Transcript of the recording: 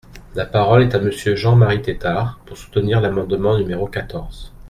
La parole est à Monsieur Jean-Marie Tetart, pour soutenir l’amendement numéro quatorze.